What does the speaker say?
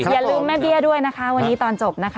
อย่าลืมแม่เบี้ยด้วยนะคะวันนี้ตอนจบนะคะ